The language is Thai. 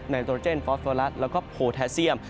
นาโนเจนฟอสเฟอรัสแล้วก็โพแทสเซียม